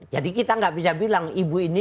jadi kita gak bisa bilang ibu ini